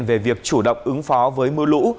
về việc chủ động ứng phó với mưa lũ